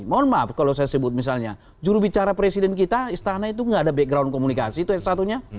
mohon maaf kalau saya sebut misalnya jurubicara presiden kita istana itu tidak ada background komunikasi itu yang satunya